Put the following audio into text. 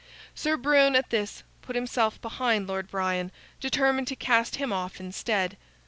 Sir Brune, at this, put himself behind Lord Brian, determined to cast him off instead.